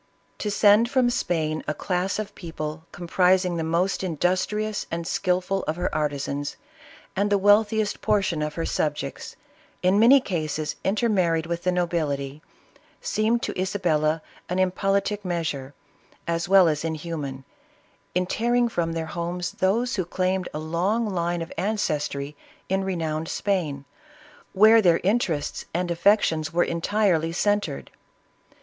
To send from Spain a class 'of people comprising the most in dustrious and skilful of her artisans, and the wealthiest portion of her subjects, in many cases intermarried with the nobility, seemed to Isabella an impolitic measure, as well as inhuman in tearing from their homes those who claimed a long line of ancestry in renowned Spain, where their interests and affections were entirely cen tred.